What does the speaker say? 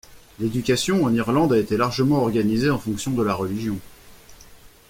L'éducation, en Irlande, a été largement organisée en fonction de la religion.